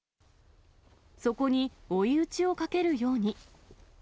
そこに追い打ちをかけるように。